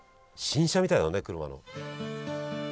新車みたいだね車の。